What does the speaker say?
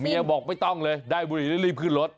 เมียบอกไม่ต้องเลยได้บุหรี่เร็วขึ้นรถ